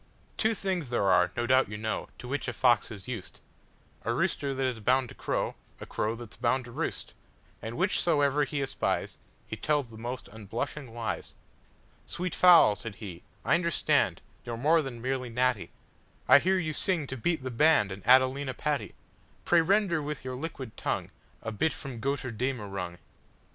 Two things there are, no doubt you know, To which a fox is used,—A rooster that is bound to crow,A crow that 's bound to roost, And whichsoever he espiesHe tells the most unblushing lies."Sweet fowl," he said, "I understandYou 're more than merely natty:I hear you sing to beat the bandAnd Adelina Patti.Pray render with your liquid tongueA bit from 'Götterdämmerung.